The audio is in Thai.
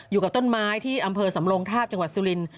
อยู่กับต้นไม้ที่อำเภอสำรงทาบจังหวัดสุรินทร์